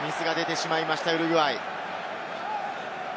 ミスが出てしまいましたウルグアイ。